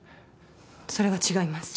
それは違います